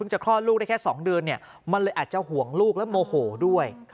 เพิ่งจะคลอดลูกได้แค่สองเดือนเนี่ยมันเลยอาจจะห่วงลูกแล้วโมโหด้วย